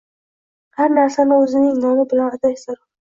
Har narsani oʻzining nomi bilan atash zarur